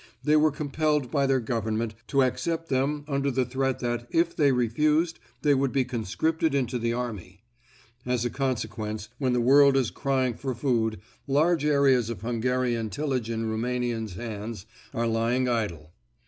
They were compelled by their Government to accept them under the threat that, if they refused, they would be conscripted into the army. As a consequence, when the world is crying for food, large areas of Hungarian tillage in Roumanians hands are lying idle.